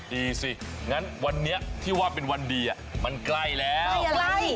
ดีสิงั้นวันเนี้ยที่ว่าเป็นวันดีอ่ะมันใกล้แล้วใกล้อะไร